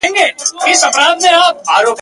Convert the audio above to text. بیا به کله ور ړانده کړي غبرګ لېمه د غلیمانو ..